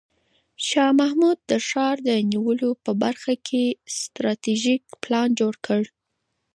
شاه محمود د ښار د نیولو په برخه کې ستراتیژیک پلان جوړ کړ.